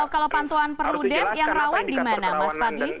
kalau pantauan perludem yang rawan di mana mas fadli